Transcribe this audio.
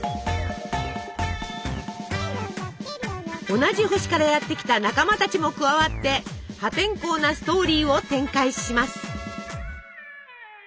同じ星からやって来た仲間たちも加わって破天荒なストーリーを展開します。